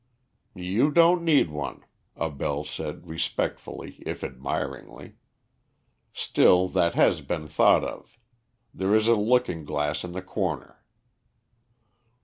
"You don't need one," Abell said respectfully if admiringly. "Still, that has been thought of. There is a looking glass in the corner."